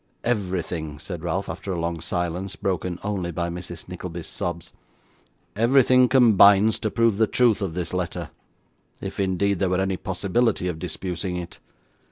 'Everything,' said Ralph, after a long silence, broken only by Mrs Nickleby's sobs, 'everything combines to prove the truth of this letter, if indeed there were any possibility of disputing it.